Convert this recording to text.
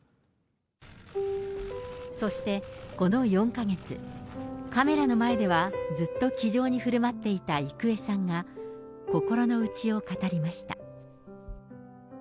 そして、この４か月、カメラの前ではずっと気丈にふるまっていた郁恵さんが、心の内を語りました。